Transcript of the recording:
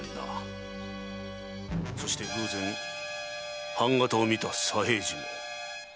そして偶然判型を見た左平次も。